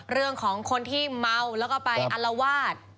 เรื่องของคนที่เมาแล้วก็ไปอลวาด